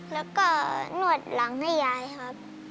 แล้วก็หนวดหลังให้ยายครับ